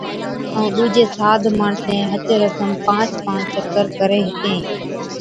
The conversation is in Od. ائُون ڏُوجين ساڌ ماڻسين ھچ رسم پانچ پانچ چڪر ڪرين ھِتين